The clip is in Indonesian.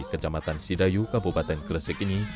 kecamatan sidayu kabupaten gresik ini